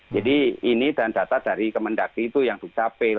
jadi ini dan data dari kemendaki itu yang tubcapil